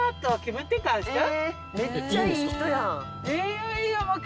めっちゃいい人やん」